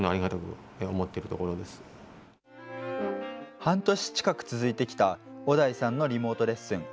半年近く続いてきた小田井さんのリモートレッスン。